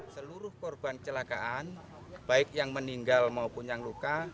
seluruh korban kecelakaan baik yang meninggal maupun yang luka